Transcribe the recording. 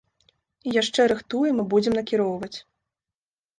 І яшчэ рыхтуем і будзем накіроўваць.